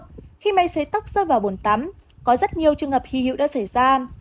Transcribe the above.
ngoài ra khi mây xấy tóc rơi vào bồn tắm có rất nhiều trường hợp hy hữu đã xảy ra